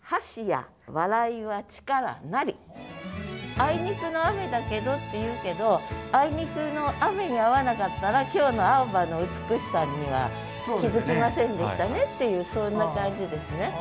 「あいにくの雨だけど」っていうけどあいにくの雨にあわなかったら今日の青葉の美しさには気付きませんでしたねっていうそんな感じですね。